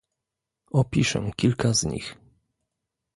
Opiszę kilka z nich